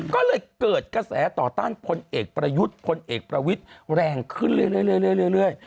ก็เลยเกิดกระแสต่อต้านพลเอกประยุทธ์พลเอกประวิทย์แรงขึ้นเรื่อย